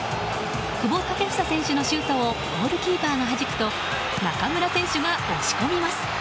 久保建英選手のシュートをゴールキーパーがはじくと中村選手が押し込みます。